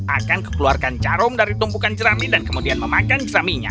akan kekeluarkan jarum dari tumpukan jerami dan kemudian memakan jeraminya